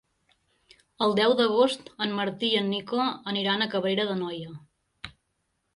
El deu d'agost en Martí i en Nico aniran a Cabrera d'Anoia.